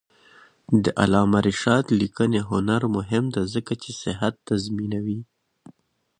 د علامه رشاد لیکنی هنر مهم دی ځکه چې صحت تضمینوي.